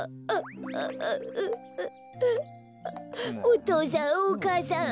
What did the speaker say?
お父さんお母さん